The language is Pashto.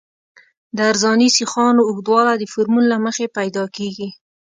د عرضاني سیخانو اوږدوالی د فورمول له مخې پیدا کیږي